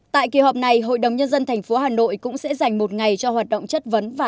tại kỳ họp này hội đồng nhân dân tp hà nội cũng sẽ dành một ngày cho hoạt động chất vấn và